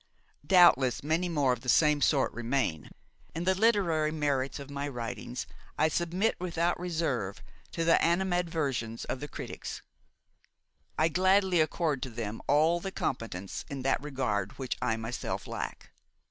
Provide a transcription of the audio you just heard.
Doubtless many more of the same sort remain, and the literary merits of my writings I submit without reserve to the animadversions of the critics; I gladly accord to them all the competence in that regard which I myself lack.